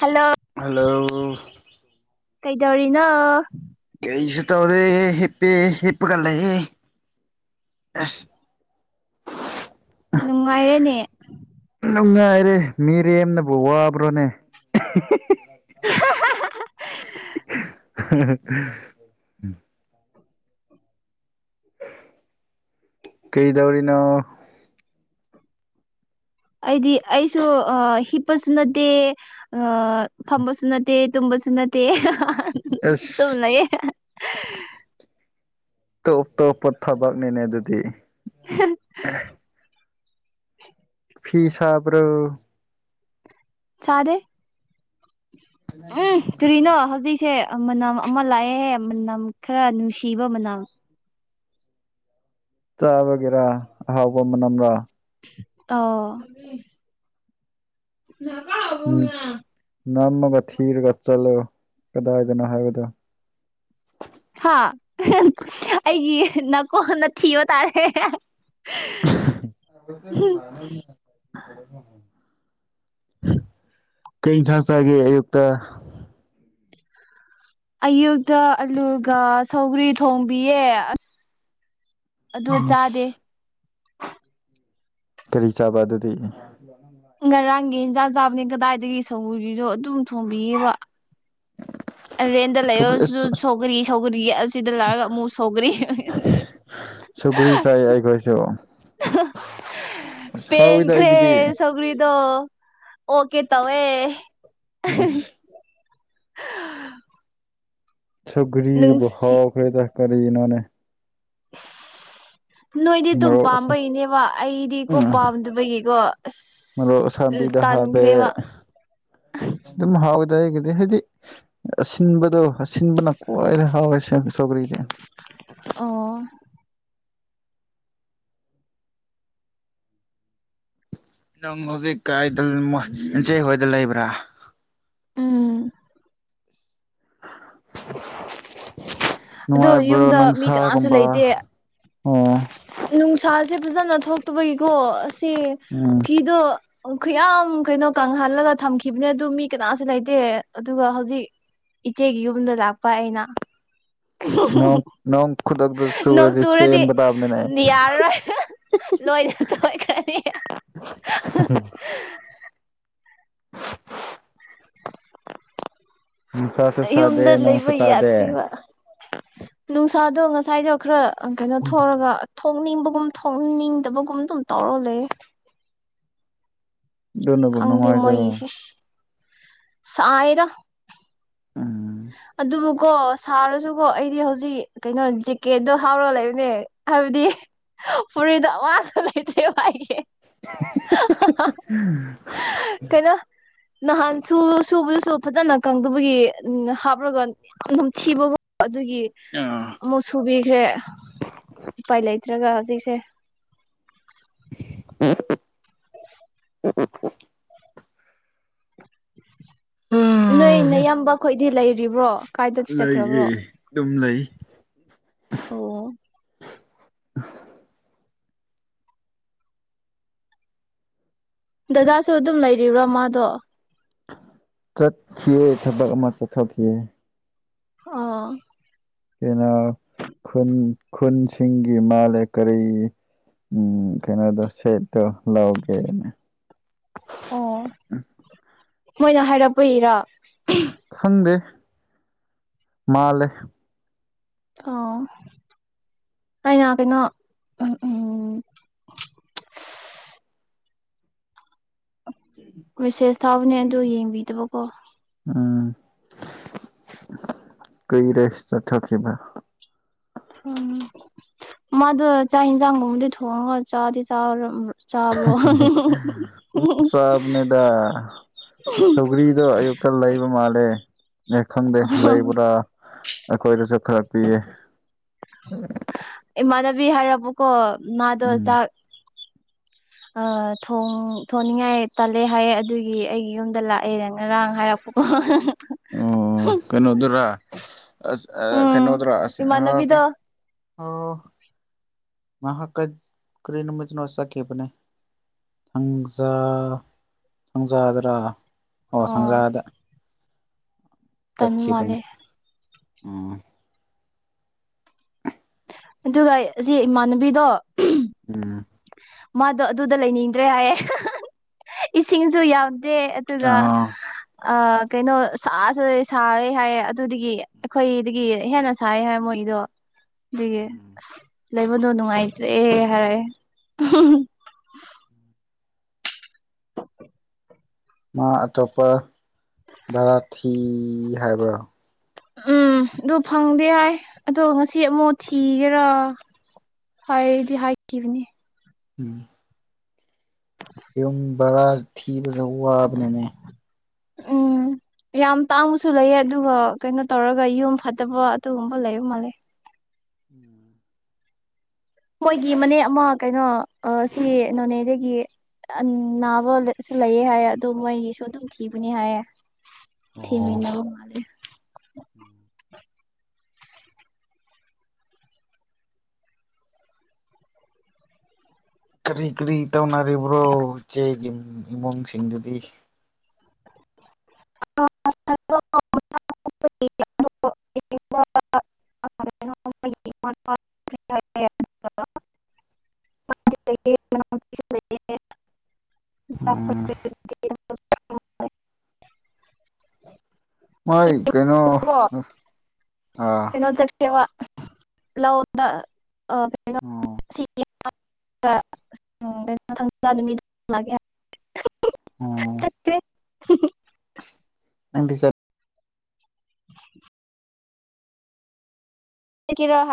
Hello hello ꯀꯩꯗꯧꯔꯤꯅꫭ ꯀꯩꯁꯨ ꯇꯧꯗꯦ ꯍꯤꯞꯄꯤ ꯍꯤꯞꯄꯒ ꯂꯩꯌꯦ꯫ ꯅꯨꯡꯉꯥꯏꯔꯦꯅꯦ ꯅꯨꯡꯉꯥꯏꯔꯦ ꯃꯤꯔꯦꯝꯅꯕꯨ ꯋꯥꯕ꯭ꯔꯣꯅꯦ꯫ [inaudible] [inaudible] ꯀꯩꯗꯧꯔꯤꯅꯣ ꯑꯩꯗꯤ ꯑꯩꯁꯨ ꯑ ꯍꯤꯞꯄꯁꯨ ꯅꯠꯇꯦ ꯑ ꯐꯝꯕꯁꯨ ꯅꯠꯇꯦ ꯇꯨꯝꯕꯁꯨ ꯅꯠꯇꯦ ꯑꯦꯁ ꯑꯗꯨꯝ ꯂꯩꯌꯦ ꯇꯣꯞ ꯇꯣꯞꯄ ꯊꯕꯛꯅꯤꯅꯦ ꯑꯗꯨꯗꯤ [inaudible] ꯐꯤ ꯁꯥꯕ꯭ꯔꯣ꯫ ꯁꯥꯗꯦ ꯎꯝ ꯀꯔꯤꯅꯣ ꯍꯧꯖꯤꯛꯁꯦ ꯃꯅꯝ ꯑꯃ ꯂꯥꯛꯑꯦꯍꯦ ꯃꯅꯝ ꯈꯔ ꯅꯨꯡꯁꯤꯕ ꯃꯅꯝ ꯆꯥꯕꯒꯦꯔꯥ ꯑꯍꯥꯎꯕ ꯃꯅꯝꯂꯔꯥ ꯑꫭ [unintelligible] ꯎꯝ ꯅꯝꯃꯒ ꯊꯤꯔꯒ ꯆꯠꯂꯣ ꯀꯗꯥꯏꯗꯅꯣ ꯍꯥꯏꯕꯗꯣ ꯍꯥ ꯑꯩꯒꯤ ꯅꯀꯣꯟꯅ ꯊꯤꯕ ꯇꯥꯔꯦ꯫ [inaudible] ꯀꯩ ꯏꯟꯁꯥꯡ ꯆꯥꯒꯦ ꯑꯌꯨꯛꯇ ꯑꯌꯨꯛꯇ ꯑꯂꯨꯒ ꯁꯧꯒ꯭ꯔꯤ ꯊꯣꯡꯕꯤꯌꯦ ꯑꯁ ꯑꯗꯨ ꯆꯥꯗꯦ꯫ ꯑꯁ ꯀꯔꯤ ꯆꯥꯕ ꯑꯗꯨꯗꯤ ꯉꯔꯥꯡꯒꯤ ꯍꯟꯖꯥꯡ ꯆꯥꯕꯅꯤ ꯀꯗꯥꯏꯗꯒꯤ ꯁꯧꯒ꯭ꯔꯤꯗꯣ ꯑꯗꯨꯝ ꯊꯣꯡꯕꯤꯌꯦꯕ ꯔꯦꯟꯗꯥ ꯁꯧꯒ꯭ꯔꯤ ꯂꯩꯔꯁꯨ ꯑꯁ ꯁꯧꯒ꯭ꯔꯤ ꯁꯧꯒ꯭ꯔꯤ ꯌꯦ ꯑꯁꯤꯗ ꯂꯥꯛꯑꯒ ꯑꯃꯨꯛ ꯁꯧꯒ꯭ꯔꯤ ꯁꯧꯒ꯭ꯔꯤ ꯆꯥꯏ ꯑꯩꯈꯣꯏꯁꯨ ꯑꯁ ꯍꯥꯎꯋꯤꯗ ꯑꯩꯒꯤꯗꯤ ꯁꯧꯒꯔꯤꯗꯣ ꯑꯣꯀꯦ ꯇꯧꯋꯦ꯫ ꯑꯁ ꯁꯧꯒ꯭ꯔꯤꯕꯨ ꯅꯨꯡꯁꯤ ꯍꯥꯎꯕ꯭ꯔꯥꯗ ꯀꯔꯤꯅꯣꯅꯦ ꯅꯣꯏꯗꯤ ꯑꯗꯨꯝ ꯃꯣꯔꯣꯛ ꯑꯁꯥ ꯄꯥꯝꯕꯩꯅꯦꯕ ꯑꯩꯗꯤꯀꯣ ꯎꯝ ꯄꯥꯝꯗꯕꯒꯤꯀꯣ ꯑꯁ ꯃꯔꯣꯛ ꯎꯝ ꯑꯁꯥꯕꯤꯗ ꯍꯥꯞꯄꯦ ꯇꯟꯈ꯭ꯔꯦ ꯕꯥ ꯑꯗꯨꯝ ꯍꯥꯎꯏꯗꯥ ꯑꯩꯒꯤꯗꯤ ꯍꯥꯏꯗꯤ ꯑꯁꯤꯟꯕꯗꯣ ꯑꯁꯤ ꯑꯁꯤꯟꯕꯅ ꯈ꯭ꯋꯥꯏꯗ ꯍꯥꯎꯋꯦꯁꯦ ꯁꯣꯒ꯭ꯔꯤꯗꯤ ꯑꯣ ꯅꯪ ꯍꯧꯖꯤꯛ ꯀꯥꯏꯗ ꯅꯆꯦ ꯍꯣꯏꯗ ꯂꯩꯕ꯭ꯔꯥ ꯎꯝ ꯑꯗꯣ ꯅꯨꯡꯉꯥꯏꯕ꯭ꯔꯣ ꯌꯨꯝꯗ ꯃꯤ ꯀꯅꯥꯁꯨ ꯅꯨꯡꯁꯥꯒꯨꯝꯕ ꯂꯩꯇꯦ ꯑꯣ ꯅꯨꯡꯁꯥꯁꯦ ꯐꯖꯅ ꯊꯣꯛꯇꯕꯒꯤꯀꯣ ꯑꯁꯤ ꯎꯝ ꯀꯤꯗꯣ ꯈꯨꯌꯥꯝ ꯀꯩꯅꯣ ꯀꯪꯍꯜꯂꯒ ꯊꯝꯈꯤꯕꯅꯦ ꯑꯗꯨ ꯃꯤ ꯀꯅꯥꯁꯨ ꯂꯩꯇꯦ ꯑꯗꯨꯒ ꯍꯧꯖꯤꯛ ꯏꯆꯦꯒꯤ ꯌꯨꯝꯗ ꯂꯥꯛꯄ ꯑꯩꯅ ꯅꯣꯡ ꯅꯣꯡ ꯈꯨꯗꯛꯇ ꯆꯨꯔꯗꯤ ꯇꯥꯕꯅꯤꯅꯦ ꯅꯤ ꯌꯥꯔꯔꯣꯏ ꯅꯣꯏꯅ ꯇꯣꯏꯈ꯭ꯔꯅꯤ [unintelligible] ꯅꯨꯡꯁꯥꯁꯨ ꯑꯩ ꯁꯥꯗꯦ ꯌꯨꯝꯗ ꯅꯣꯡꯁꯨ ꯂꯩꯕ ꯇꯥꯗꯦ ꯌꯥꯗꯦꯕ ꯅꯨꯡꯁꯥꯗꯣ ꯉꯁꯥꯏꯗꯣ ꯈꯔ ꯀꯩꯅꯣ ꯊꯣꯔꯒ ꯊꯣꯛꯅꯤꯡꯕꯒꯨꯝ ꯊꯣꯛꯅꯤꯡꯗꯕꯒꯨꯝ ꯑꯗꯨꯝ ꯇꯧꯔꯣ ꯂꯩ ꯑꯗꯨꯅꯕꯨ ꯈꯪꯗꯦ ꯅꯨꯡꯉꯥꯏꯖꯔꯣ ꯃꯣꯏꯒꯤꯁꯦ ꯁꯥꯏꯗ ꯎꯝ ꯑꯗꯨꯕꯨꯀꯣ ꯁꯥꯔꯁꯨꯀꯣ ꯑꯩꯗꯤ ꯍꯧꯖꯤꯛ ꯀꯩꯅꯣ ꯖꯦꯛꯀꯦꯠꯇꯣ ꯍꯥꯎꯔꯒ ꯂꯩꯕꯅꯦ ꯍꯥꯏꯕꯗꯤ ꯄꯨꯔꯤꯗ ꯑꯋꯥꯖ ꯂꯩꯇꯦ [unintelligible] ꯀꯩꯅꯣ ꯅꯍꯥꯟ ꯁꯨ ꯁꯨꯕꯗꯨꯁꯨ ꯐꯖꯅ ꯀꯪꯗꯕꯒꯤ ꯎꯟꯍꯞ [unintelligible] ꯌꯥꯝ ꯅꯨꯡꯊꯤꯕꯒ ꯑꯗꯨꯒꯤ ꯑꯥ ꯑꯃꯨꯛ ꯁꯨꯕꯤꯈ꯭ꯔꯦ ꯎꯄꯥꯏ ꯂꯩꯇ꯭ꯔꯒ ꯍꯧꯖꯤꯛꯁꯦ ꯅꯣꯏ ꯅꯌꯥꯝꯕ ꯈꯈꯣꯏꯗꯤ ꯂꯩꯔꯤꯕ꯭ꯔꯣ ꯀꯥꯏꯗ ꯂꯩꯌꯦ ꯆꯠꯈ꯭ꯔꯕ꯭ꯔꯣ ꯑꯗꯨꯝ ꯂꯩ [inaudible] ꯗꯗꯥꯁꯨ ꯑꯗꯨꯝ ꯂꯩꯔꯤꯕ꯭ꯔꯣ ꯃꯥꯗꯣ ꯆꯠꯈꯤꯌꯦ ꯊꯕꯛ ꯑꯃ ꯆꯠꯊꯈꯤꯑꯦ ꯑꯥ [unintelligible] ꯈꯨꯟ ꯈꯨꯟꯁꯤꯡꯒꯤ ꯃꯥꯜꯂꯦ ꯀꯔꯤ ꯎꯝ ꯀꯩꯅꯣꯗꯣ ꯁꯦꯠꯇꯣ ꯂꯧꯒꯦꯅꯦ ꯑꯣ ꯃꯣꯏꯅ ꯍꯥꯏꯔꯛꯄ ꯏꯔꯥ ꯈꯪꯗꯦ ꯃꯥꯜꯂꯦ ꯑꯣ ꯑꯩꯅ ꯀꯩꯅꯣ ꯎꯝ ꯃꯦꯁꯦꯁ ꯊꯥꯕꯅꯦ ꯑꯗꯨ ꯌꯦꯡꯕꯤꯗꯕꯀꯣ ꯎꯝ ꯀꯨꯏꯔꯦ ꯆꯥꯊꯣꯛ ꯈꯤꯕ ꯎꯝ ꯃꯥꯗꯣ ꯆꯥꯛ ꯌꯦꯟꯁꯥꯡꯒꯨꯝꯕꯗꯤ ꯊꯣꯡꯉꯒ ꯆꯥꯗꯤ ꯆꯥꯔ ꯑꯗꯨꯝ ꯆꯥꯕꯅꯦꯗ ꯁꯧꯒ꯭ꯔꯤꯗꯣ ꯑꯌꯨꯛ [unintelligible] ꯂꯩꯕ ꯃꯥꯜꯂꯦ ꯈꯪꯗꯦ ꯂꯩꯕ꯭ꯔꯥ ꯑꯩꯈꯣꯏꯗꯁꯨ ꯈꯔꯥ ꯄꯤꯌꯦ ꯏꯃꯥꯟꯅꯕꯤ ꯍꯥꯏꯔꯕꯀꯣ ꯃꯥꯗꯣ ꯎꯝ ꯆꯥꯛ ꯑꯥ ꯊꯣꯡꯅꯤꯡꯉꯥꯏ ꯇꯜꯂꯦ ꯍꯥꯏꯌꯦ ꯑꯗꯨꯒꯤ ꯑꯩꯒꯤ ꯌꯨꯝꯗ ꯂꯥꯛꯑꯦ ꯉꯔꯥꯡ ꯍꯥꯏꯔꯛꯄꯥ ꯑꯣ [unintelligible] ꯑꯣ ꯀꯩꯅꯣꯗꯨꯔꯥ ꯑꯁ ꯎꯝ ꯑꯥ ꯑꯁ ꯑꯥ ꯏꯃꯥꯟꯅꯕꯤꯗꯣ [unintelligible] ꯑꯣ ꯃꯍꯥꯛꯀꯠ ꯀꯔꯤꯅꯨꯃꯤꯠꯇꯅꫭ ꯆꯠꯈꯤꯕꯅ‌ꯦ ꯊꯪꯖꯥ ꯊꯪꯖꯥꯗ꯭ꯔꯥ ꯑꯣ ꯊꯪꯖꯥꯗ ꯇꯟꯕ ꯆꯠꯈꯤꯕꯅꯦ ꯃꯥꯜꯂꯦ ꯎꯝ ꯑꯗꯨꯒ ꯑꯁꯤ ꯏꯃꯥꯟꯅꯕꯤꯗꯣ ꯎꯝ ꯃꯥꯗꯣ ꯑꯗꯨꯗ ꯂꯩꯅꯤꯡꯗ꯭ꯔꯦ ꯍꯥꯏꯌꯦ ꯏꯁꯤꯡꯁꯨ ꯌꯥꯝ ꯗꯦ ꯑꯗꯨꯒ ꯑꯥ ꯑꯥ ꯀꯩꯅꯣ ꯁꯥꯁꯨ ꯁꯥꯔꯦ ꯍꯥꯏꯌꯦ ꯑꯗꯨꯗꯒꯤ ꯑꯩꯈꯣꯏꯗꯒꯤ ꯍꯦꯟꯅ ꯁꯥꯏ ꯍꯥꯏ ꯃꯣꯏꯗꯣ ꯑꯗꯨꯒꯤ ꯑꯁ ꯂꯩꯕꯗꯣ ꯅꯨꯡꯉꯥꯏꯇ꯭ꯔꯦ ꯍꯥꯏꯔꯛꯑꯦ ꯃꯥ ꯑꯇꯣꯞꯄ ꯚꯔꯥ ꯊꯤ ꯍꯥꯏꯕ꯭ꯔꯣ ꯎꯝ ꯑꯗꯨ ꯐꯪꯗꯦ ꯍꯥꯏ ꯑꯗꯣ ꯉꯁꯤ ꯑꯃꯨꯛ ꯊꯤꯒꯦꯔꯥ ꯍꯥꯏꯗꯤ ꯍꯥꯏꯈꯤꯕꯅꯤ ꯎꯝ ꯌꯨꯝ ꯕꯔꯥ ꯊꯤꯕꯁꯨ ꯋꯥꯕꯅ‌ꯦꯃꯤ ꯎꯝ ꯌꯥꯝ ꯇꯥꯡꯕꯁꯨ ꯂꯩꯌꯦ ꯑꯗꯨꯒ ꯀꯩꯅꯣ ꯇꯧꯔꯒ ꯌꯨꯝ ꯐꯠꯇꯕ ꯑꯗꯨꯒꯨꯝꯕ ꯂꯩꯕ ꯃꯥꯜꯂꯦ [unintelligible] ꯃꯣꯏꯒꯤ ꯃꯅꯦ ꯑꯃ ꯀꯩꯅꯣ ꯑꯥ ꯁꯤ ꯅꯣꯅꯦꯗꯒꯤ ꯑꯥ ꯅꯥꯕꯁꯨ ꯂꯩꯌꯦ ꯍꯥꯏꯌꯦ ꯑꯗꯨ ꯃꯣꯏꯒꯤꯁꯨ ꯑꯗꯨꯝ ꯊꯤꯕꯅꯤ ꯍꯥꯏꯌꯦ ꯑꯣ ꯊꯤꯃꯤꯟꯅꯕ ꯃꯥꯜꯂꯦ [inaudible] ꯀꯔꯤ ꯀꯔꯤ ꯇꯧꯅꯔꯤꯕ꯭ꯔꯣ ꯏꯆꯦꯒꯤ ꯏꯃꯨꯡꯁꯤꯡꯗꯨꯗꯤ ꯑ [unintelligible] ꯑꯗꯣ [unintelligible] [unintelligible] [unintelligible] [unintelligible] ꯎꯝ ꯃꫭꯏ ꯀꯩꯅꯣ ꯑꯥ ꯀꯩꯕ ꯂꯧꯗ ꯑꯥ ꯀꯩꯅꯣ ꯎꯝ ꯑꯁꯤ [unintelligible] [unintelligible] ꯂꯥꯛꯑꯒꯦ ꯍꯥꯏꯌꯦ ꯆꯠꯈ꯭ꯔ‌ꯦ [unintelligible] ꯑꯁ ꯅꯪꯗꯤ ꯆꯠ [unintelligible] ꯑꯁꯦꯡꯀꯤꯔꯣ [unintelligible] ꯍꯥ